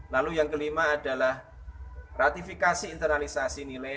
lalu yang kelima adalah ratifikasi internalisasi nilai